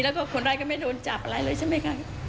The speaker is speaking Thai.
แล้วก็คนร้ายก็ไม่โดนจับอะไรเลยใช่ไหมคะ